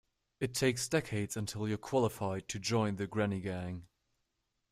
It takes decades until you're qualified to join the granny gang.